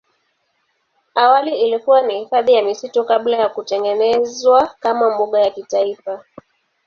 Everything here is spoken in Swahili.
Awali ilikuwa ni hifadhi ya misitu kabla ya kutangazwa kama mbuga ya kitaifa.